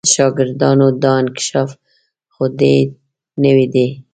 د شاګردانو دا انکشاف خو دې نوی دی.